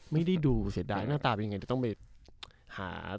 ไม่ได้ดูเสียดายหน้าตาเป็นยังไงจะต้องไปหา